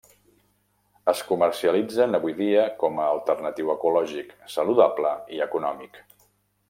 Es comercialitzen avui dia com a alternatiu ecològic, saludable i econòmic.